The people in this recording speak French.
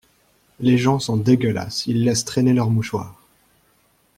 Les gens sont dégueulasse: ils laissent traîner leurs mouchoirs...